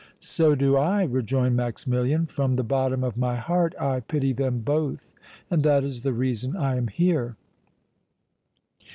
"So do I," rejoined Maximilian; "from the bottom of my heart I pity them both and that is the reason I am here."